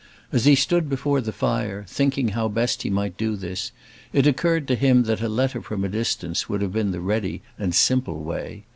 As he stood before the fire, thinking how best he might do this, it occurred to him that a letter from a distance would have been the ready and simple way.